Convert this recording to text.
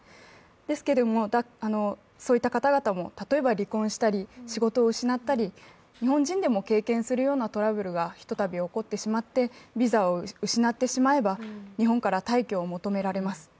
ですけども、そういった方々も例えば離婚をしたり、仕事を失ったり、日本人でも経験するようなトラブルがひとたび起こってしまって、ビザを失ってしまえば日本から退去を求められます。